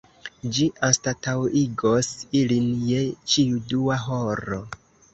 Ĝi anstataŭigos ilin je ĉiu dua horo.